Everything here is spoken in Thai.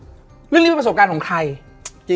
เรื่องนี้เป็นประสบการณ์ของใคร